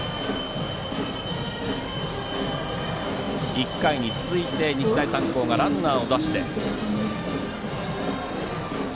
１回に続いて、日大三高がランナーを出しています。